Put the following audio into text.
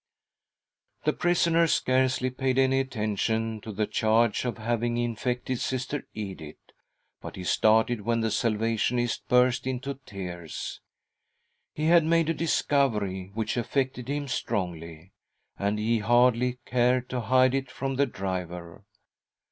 " The prisoner scarcely paid any attention to the charge of having infected Sister Edith, but he started when the Salvationist burst into tears. He had made a discovery which affected him strongly, and he hardly cared to hide it from the driver.